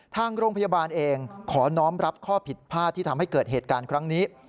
ทางโรงพยาบาลเองขอน้องรับข้อผิดพลาดที่ทำให้เกิดเหตุการณ์ครั้งนี้